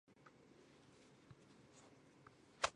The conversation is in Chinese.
麦特尔峰是世界遗产蒂瓦希波乌纳穆地区的一部分。